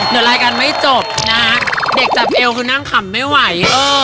เดี๋ยวรายการไม่จบนะเด็กจับเอวคือนั่งขำไม่ไหว